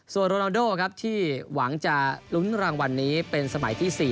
ส่วนโรนาโดครับที่หวังจะลุ้นรางวัลนี้เป็นสมัยที่๔